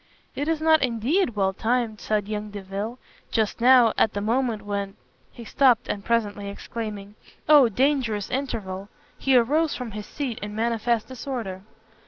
"It is not, indeed, well timed," said young Delvile, "just now, at the moment when " he stopt, and presently exclaiming "Oh dangerous interval!" he arose from his seat in manifest disorder.